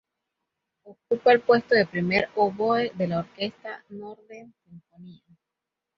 Ocupa el puesto de primer oboe de la orquesta Northern Sinfonia.